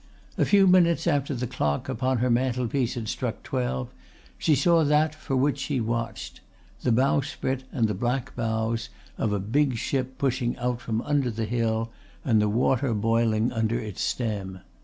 A few minutes after the clock upon her mantelpiece had struck twelve she saw that for which she watched: the bowsprit and the black bows of a big ship pushing out from under the hill and the water boiling under its stem.